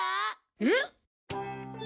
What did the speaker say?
えっ！？